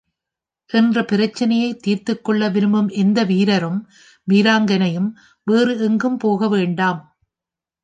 என்ற பிரச்சினையைத் தீர்த்துக் கொள்ள விரும்பும் எந்த வீரரும், வீராங்கனையும் வேறு எங்கும் போக வேண்டாம்.